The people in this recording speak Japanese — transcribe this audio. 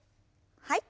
はい。